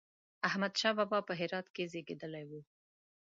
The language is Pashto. احمد شاه بابا په هرات کې زېږېدلی و